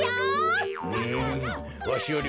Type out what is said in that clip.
うわしより